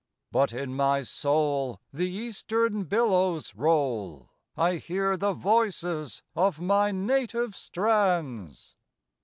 But in my soul The eastern billows roll— I hear the voices of my native strands.